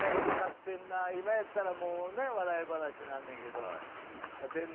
今やったらもうね笑い話になんねんけど。